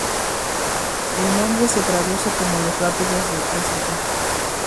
El nombre se traduce como "los rápidos de Ste.